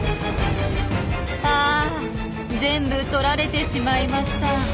あ全部とられてしまいました。